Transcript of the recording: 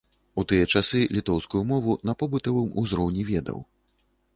У тыя часы літоўскую мову на побытавым узроўні ведаў.